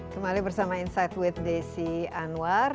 kembali bersama insight with desi anwar